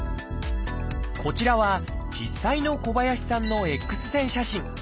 こちらは実際の小林さんのＸ線写真。